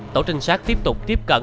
tổ trinh sát tiếp tục tiếp cận